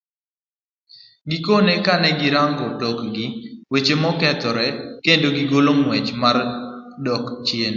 Gikone kane girango tok gi, weche nokethore, kendo gigolo ng'wech mar dok chien.